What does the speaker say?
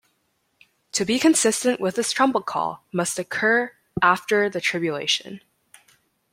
To be consistent with this trumpet call must occur after the Tribulation.